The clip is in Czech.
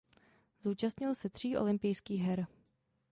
Zúčastnil se tří olympijských her.